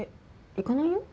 行かないよ。